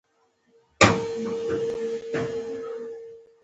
او د هغه ورځې په هیله چې زمونږ د وطن ژبه یوه وي.